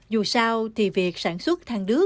dù sao thì việc sản xuất thang đứt